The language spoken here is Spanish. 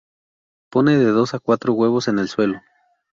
Pone de dos a cuatro huevos en el suelo.